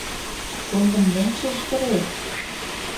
Шоҥгым мом чыждырет?